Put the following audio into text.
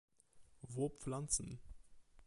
Wo Pflanzen?